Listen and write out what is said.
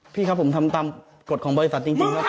พี่ครับผมทำตามกฎของบริษัทจริงครับ